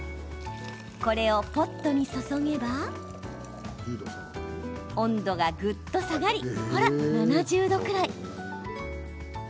これをポットに注げば温度がぐっと下がりほら、７０度くらい。